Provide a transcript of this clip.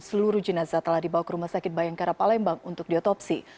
seluruh jenazah telah dibawa ke rumah sakit bayangkara palembang untuk diotopsi